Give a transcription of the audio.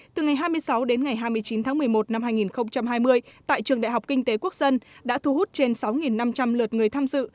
từ ngày hai mươi sáu đến ngày hai mươi chín tháng một mươi một năm hai nghìn hai mươi tại trường đại học kinh tế quốc dân đã thu hút trên sáu năm trăm linh lượt người tham dự